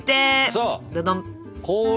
そう！